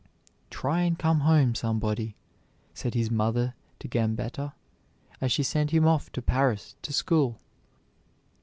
"Try and come home somebody," said his mother to Gambetta as she sent him off to Paris to school.